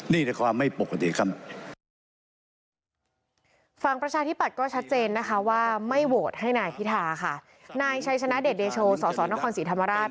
นายชัยชนะเดชเดชโชสสนครศรีธรรมราช